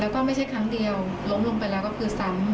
แล้วก็ไม่ใช่ครั้งเดียวล้มลงไปแล้วก็คือซ้ำ